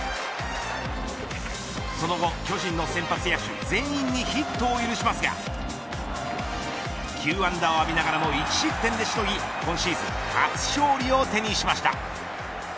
その後、巨人の先発野手全員にヒットを許しますが９安打を浴びながらも１失点でしのぎ今シーズン初勝利を手にしました。